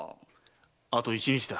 あと一日だ。